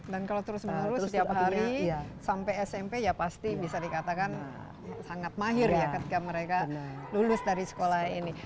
dan kalau terus menerus setiap hari sampai smp ya pasti bisa dikatakan sangat mahir ya ketika mereka lulus dari sekolah ini